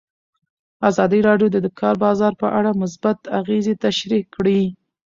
ازادي راډیو د د کار بازار په اړه مثبت اغېزې تشریح کړي.